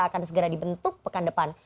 akan segera dibentuk pekan depan